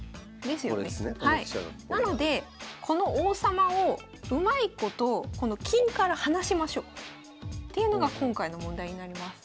なのでこの王様をうまいことこの金から離しましょうっていうのが今回の問題になります。